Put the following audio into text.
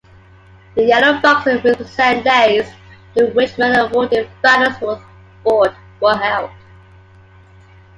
The yellow boxes represent days during which medal-awarding finals for a sport were held.